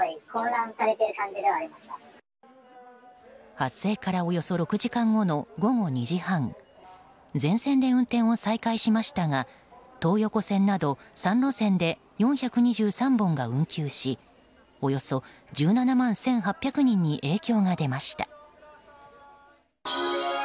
発生からおよそ６時間後の午後２時半全線で運転を再開しましたが東横線など、３路線で４２３本が運休しおよそ１７万１８００人に影響が出ました。